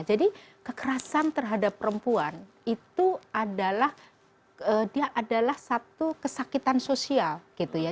jadi kekerasan terhadap perempuan itu adalah dia adalah satu kesakitan sosial gitu ya